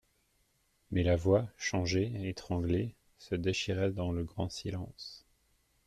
Mais la voix, changée, étranglée, se déchirait dans le grand silence.